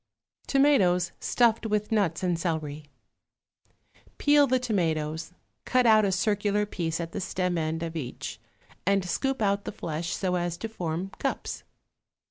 =Tomatoes Stuffed with Nuts and Celery.= Peel the tomatoes; cut out a circular piece at the stem end of each and scoop out the flesh so as to form cups.